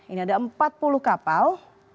ini ada empat puluh kapal